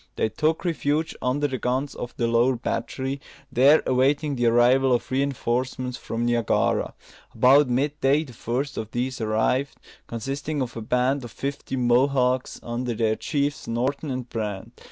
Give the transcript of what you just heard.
They took refuge under the guns of the lower battery, there awaiting the arrival of reinforcements from Niagara. About mid day the first of these arrived, consisting of a band of fifty Mohawks, under their chiefs, Norton and Brant.